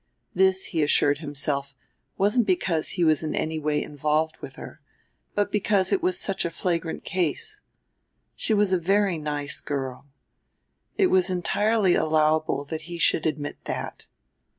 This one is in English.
This, he assured himself, wasn't because he was in any way involved with her; but because it was such a flagrant case. She was a very nice girl. It was entirely allowable that he should admit that.